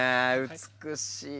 美しい。